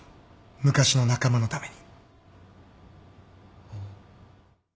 昔の仲間のために。